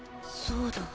そうだ。